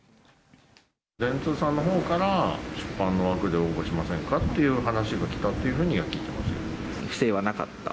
電通さんのほうから、出版の枠で応募しませんかっていう話が来たっていうふうには聞い不正はなかった？